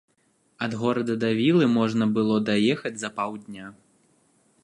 Ад горада да вілы можна было даехаць за паўдня.